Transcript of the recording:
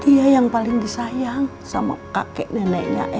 dia yang paling disayang sama kakek neneknya em